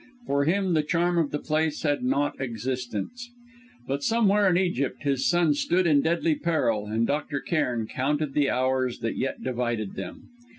For him the charm of the place had not existence, but somewhere in Egypt his son stood in deadly peril, and Dr. Cairn counted the hours that yet divided them.